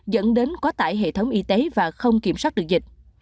dẫn đến quá tải hệ thống y tế và không kiểm soát được dịch